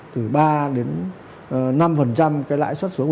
từ ba đến năm cái lãi suất xuống